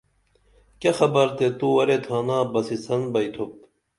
کیہ خبر تو ورے تھانا بسی سن بئتُھوب